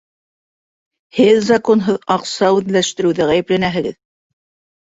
-Һеҙ законһыҙ аҡса үҙләштереүҙә ғәйепләнәһегеҙ!